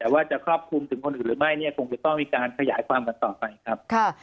แต่ว่าจะครอบคลุมถึงคนอื่นหรือไม่เนี่ยคงจะต้องมีการขยายความกันต่อไปครับ